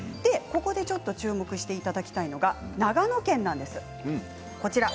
ここで注目していただきたいのが長野県なんです。